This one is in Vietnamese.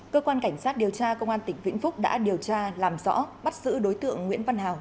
cơ quan cảnh sát điều tra công an tỉnh vĩnh phúc đã điều tra làm rõ bắt giữ đối tượng nguyễn văn hào